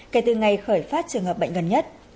kể từ ngày khởi phát trường hợp bệnh gần nhất